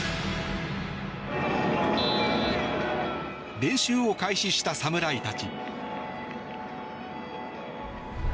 練習を開始した侍たち。